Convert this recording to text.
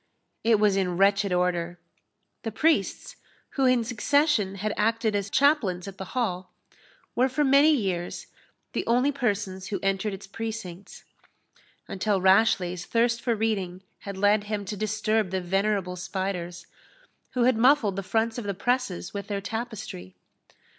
It was in wretched order. The priests, who in succession had acted as chaplains at the Hall, were, for many years, the only persons who entered its precincts, until Rashleigh's thirst for reading had led him to disturb the venerable spiders, who had muffled the fronts of the presses with their tapestry.